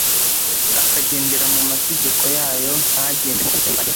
akagendera mu mategeko yayo ntagenze nkuko Abisirayeli bagenzaga